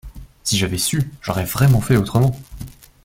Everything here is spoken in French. Si j’avais su, j'aurais vraiment fait autrement.